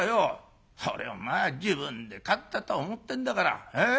それをまあ自分で勝ったと思ってんだから。